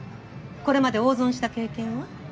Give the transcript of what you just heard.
これまで大損した経験は？